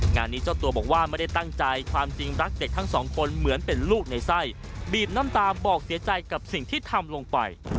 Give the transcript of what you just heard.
งานนี้เจ้าตัวบอกว่าไม่ได้ตั้งใจความจริงรักเด็กทั้งสองคนเหมือนเป็นลูกในไส้บีบน้ำตาบอกเสียใจกับสิ่งที่ทำลงไป